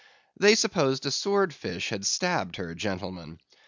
They supposed a sword fish had stabbed her, gentlemen.